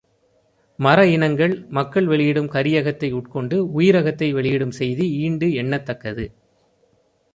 மர இனங்கள் மக்கள் வெளியிடும் கரியகத்தை உட்கொண்டு, உயிரகத்தை வெளியிடும் செய்தி ஈண்டு எண்னத்தக்கது.